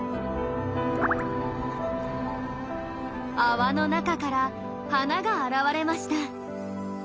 泡の中から花が現れました。